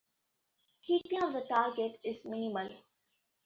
Heating of the target is minimal.